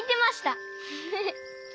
フフフ。